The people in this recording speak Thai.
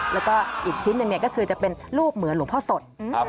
แล้วก็อีกชิ้นหนึ่งเนี่ยก็คือจะเป็นรูปเหมือนหลวงพ่อสด